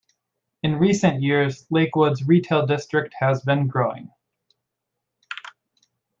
In recent years Lakewood's retail district has been growing.